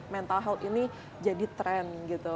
mental health ini jadi tren gitu